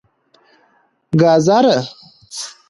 🥕 ګازره